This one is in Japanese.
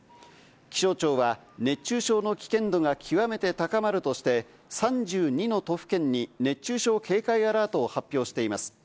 気象庁は熱中症の危険度が極めて高まるとして、３２の都府県に熱中症警戒アラートを発表しています。